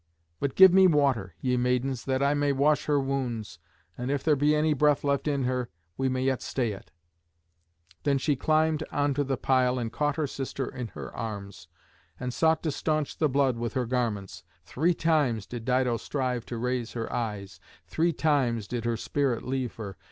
But give me water, ye maidens, that I may wash her wounds, and if there be any breath left in her, we may yet stay it." Then she climbed on to the pile, and caught her sister in her arms, and sought to staunch the blood with her garments. Three times did Dido strive to raise her eyes; three times did her spirit leave her.